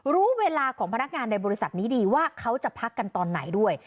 รู้เวลาของพนักงานในบริษัทนี้ดีว่าเขาจะพักกันตอนไหนด้วย